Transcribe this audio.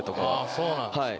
そうなんですか。